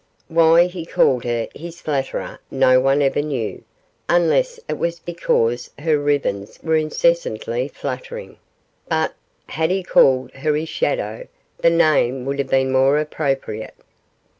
Why he called her his flutterer no one ever knew, unless it was because her ribbons were incessantly fluttering; but, had he called her his shadow, the name would have been more appropriate.